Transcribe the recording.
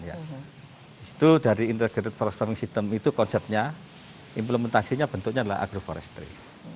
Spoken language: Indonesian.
di situ dari integrated forestroning system itu konsepnya implementasinya bentuknya adalah agroforestry